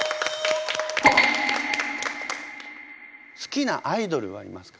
好きなアイドルはいますか？